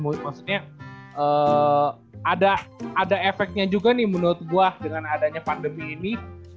maksudnya ada efeknya juga nih menurut gue dengan adanya pandemi ini